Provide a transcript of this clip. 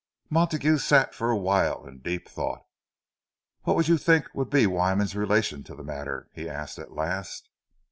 Montague sat for a while in deep thought. "What would you think would be Wyman's relation to the matter?" he asked, at last.